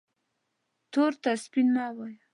تور ته سپین مه وایه